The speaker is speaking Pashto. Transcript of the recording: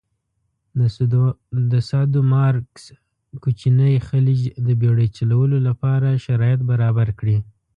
د سادومارکوس کوچینی خلیج د بېړی چلولو لپاره شرایط برابر کړي.